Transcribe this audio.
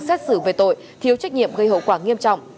xét xử về tội thiếu trách nhiệm gây hậu quả nghiêm trọng